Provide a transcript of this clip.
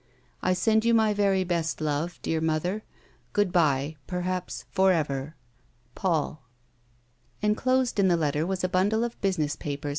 I send yon my very best love, dear mother. Good bye perhaps for ever. "Paul." Enclosed in the letter was a bundle of business pajjers A WOMAN'S LIFE.